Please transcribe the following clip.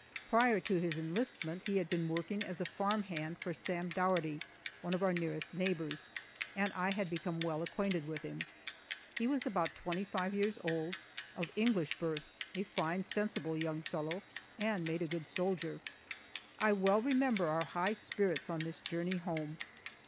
Prior to his enlistment he had been working as a farm hand for Sam Dougherty, one of our nearest neighbors, and I had become well acquainted with him. He was about twenty five years old, of English birth, a fine, sensible young fellow, and made a good soldier. I well remember our high spirits on this journey home.